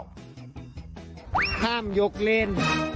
ห้ามยกเล่น